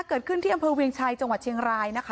เกิดขึ้นที่อำเภอเวียงชัยจังหวัดเชียงรายนะคะ